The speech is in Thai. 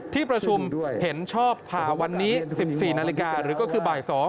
ที่ประชุมเห็นชอบผ่าวันนี้๑๔นาฬิกาหรือก็คือบ่าย๒